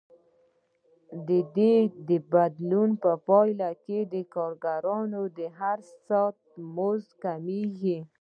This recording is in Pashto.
د دې بدلون په پایله کې د کارګر د هر ساعت مزد کمېږي